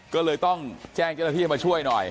ก็เลยต้องแจ้งเจ้าหน้าที่ให้มาช่วยหน่อย